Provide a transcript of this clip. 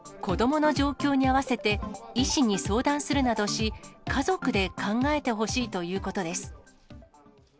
子どもの状況に合わせて、医師に相談するなどし、家族で考えてほしいということです。